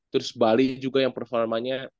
terus bali juga yang performanya